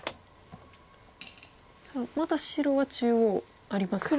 さあまだ白は中央ありますか。